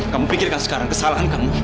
kamu pikirkan sekarang kesalahan kamu